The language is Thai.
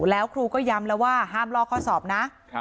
แล้วครูก็ย้ำแล้วว่าห้ามลอกข้อสอบนะ